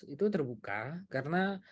itu terbuka karena